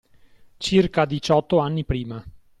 Circa diciotto anni prima.